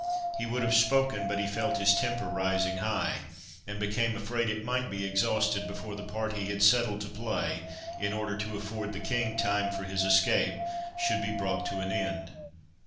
He would have spoken, but he felt his temper rising high, and became afraid it might be exhausted before the part he had settled to play, in order to afford the King time for his escape, should be brought to an end.